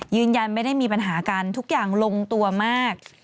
ยืนยันไม่ได้มีปัญหากันทุกอย่างลงตัวมาก